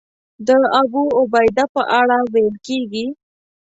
د ابوعبیده په اړه ویل کېږي.